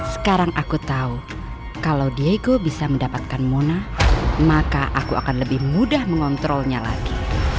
sekarang aku tahu kalau diego bisa mendapatkan mona maka aku akan lebih mudah mengontrolnya lagi